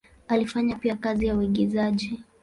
Alifanya pia kazi ya uigizaji.